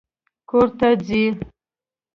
کور ته ځې!